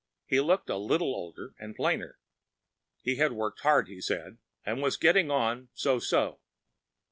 He looked a little older and plainer. He had worked hard, he said, and was getting on “so so.